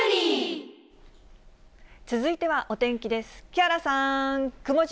続いてはお天気です。